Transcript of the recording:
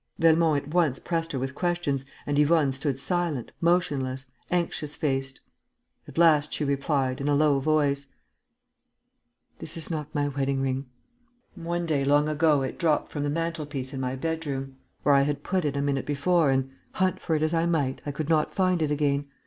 Velmont at once pressed her with questions and Yvonne stood silent, motionless, anxious faced. At last, she replied, in a low voice: "This is not my wedding ring. One day, long ago, it dropped from the mantelpiece in my bedroom, where I had put it a minute before and, hunt for it as I might, I could not find it again.